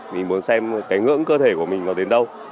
mình muốn xem cái ngưỡng cơ thể của mình nó đến đâu